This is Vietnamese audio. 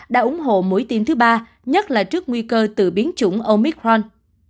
đã ủng hộ mũi tiêm thứ ba nhất là trước nguy cơ tự biến chủng omicron